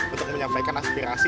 untuk menyampaikan aspirasi